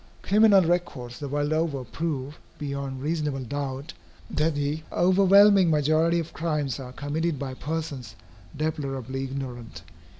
Criminal records the world over prove, beyond reasonable doubt, that the overwhelming majority of crimes are committed by persons deplorably ignorant.